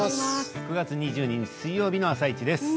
９月２２日水曜日の「あさイチ」です。